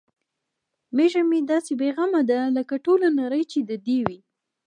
میږه مې داسې بې غمه ده لکه ټوله نړۍ چې د دې وي.